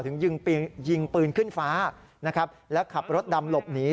ถึงยิงปืนขึ้นฟ้าแล้วขับรถดำหลบหนี